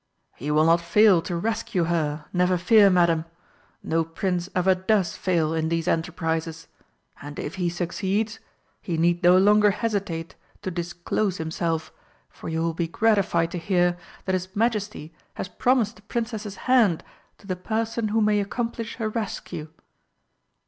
"He will not fail to rescue her, never fear, Madam. No Prince ever does fail in these enterprises. And if he succeeds he need no longer hesitate to disclose himself, for you will be gratified to hear that his Majesty has promised the Princess's hand to the person who may accomplish her rescue.